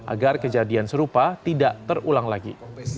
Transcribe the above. agar kejadian serupa tidak terulang lagi